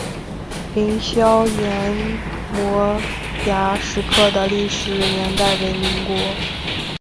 凌霄岩摩崖石刻的历史年代为民国。